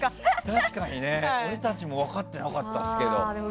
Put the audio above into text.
確かに俺たちも分からなかったですけど。